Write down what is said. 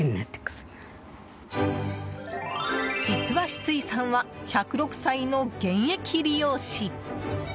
実はシツイさんは１０６歳の現役理容師。